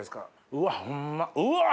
うわっホンマうわ！